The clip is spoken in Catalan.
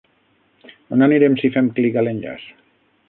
On anirem si fem clic a l'enllaç?